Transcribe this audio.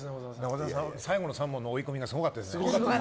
小沢さん、最後の３問の追い込みがすごかったですね。